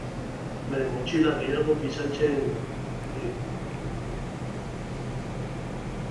Bere motxilak gehiegi pisatzen du.